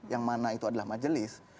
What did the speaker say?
yang mana itu adalah majelis